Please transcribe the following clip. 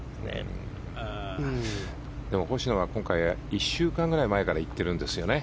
星野は今回１週間くらい前からいってるんですよね。